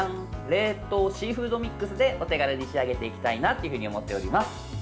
冷凍シーフードミックスでお手軽に仕上げていきたいなと思っております。